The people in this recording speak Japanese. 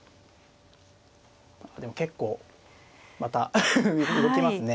でも結構また動きますね。